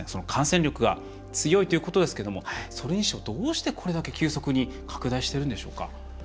感染力が強いということですけどそれにしても、どうしてこれだけ急速に拡大しているんでしょうか。